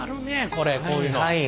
これこういうの。